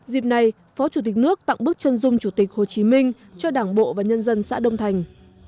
dịp này phó chủ tịch nước tặng bức chân dung chủ tịch hồ chí minh cho đảng bộ và nhân dân xã đông thành